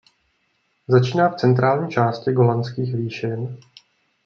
Začíná v centrální části Golanských výšin.